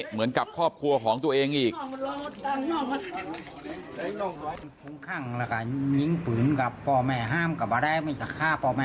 เหมือนกับครอบครัวของตัวเองอีก